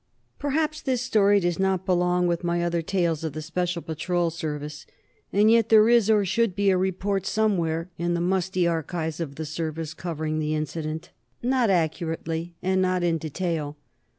] Perhaps this story does not belong with my other tales of the Special Patrol Service. And yet, there is, or should be, a report somewhere in the musty archives of the Service, covering the incident. Not accurately, and not in detail.